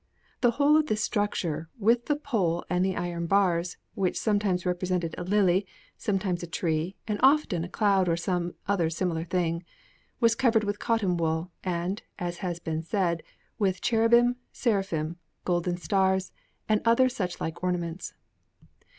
The whole of this structure, with the pole and the iron bars (which sometimes represented a lily, sometimes a tree, and often a cloud or some other similar thing), was covered with cotton wool, and, as has been said, with cherubim, seraphim, golden stars, and other suchlike ornaments.